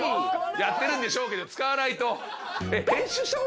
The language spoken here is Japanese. やってるんでしょうけど使わないと。